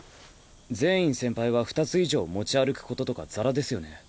禪院先輩は２つ以上持ち歩くこととかざらですよね。